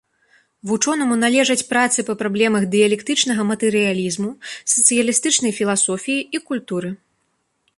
Вучонаму належаць працы па праблемах дыялектычнага матэрыялізму, сацыялістычнай філасофіі і культуры.